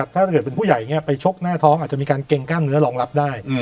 ถ้าเกิดเป็นผู้ใหญ่อย่างนี้ไปชกหน้าท้องอาจจะมีการเกรงกล้ามเนื้อรองรับได้